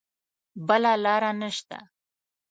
بله لاره نه شته.